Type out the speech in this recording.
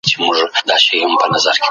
که مطالعه ونه کړې، پوهه دې نه زیاتیږي.